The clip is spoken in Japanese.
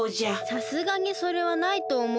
さすがにそれはないとおもうけど。